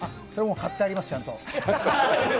買ってあります、ちゃんと。